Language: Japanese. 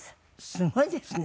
すごいですね。